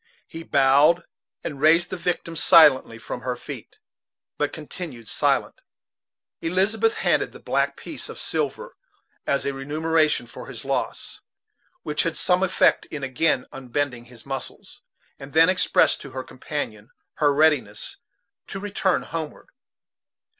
He bowed, and raised the victim silently from her feet, but continued silent. Elizabeth handed the black a piece of silver as a remuneration for his loss, which had some effect in again unbending his muscles, and then expressed to her companion her readiness to return homeward.